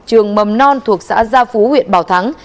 trường mầm non thuộc xã gia phú huyện bảo thắng